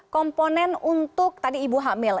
komponen untuk tadi ibu hamil